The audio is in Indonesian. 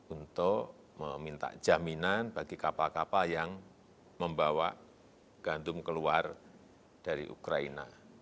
untuk meminta jaminan bagi kapal kapal yang membawa gantum keluar dari ukraina